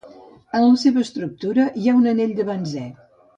En la seva estructura hi ha un anell de benzè.